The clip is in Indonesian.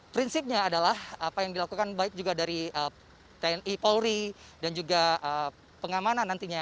prinsipnya adalah apa yang dilakukan baik juga dari tni polri dan juga pengamanan nantinya